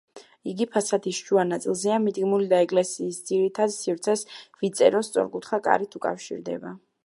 იგი ფასადის შუა ნაწილზეა მიდგმული და ეკლესიის ძირითად სივრცეს ვიწერო, სწორკუთხა კარით უკავშირდება.